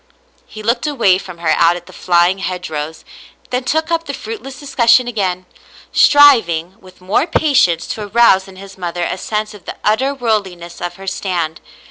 He looked away from her out at the flying hedgerows, then took up the fruit less discussion again, striving with more patience to arouse in his mother a sense of the utter w^orldliness of her stand.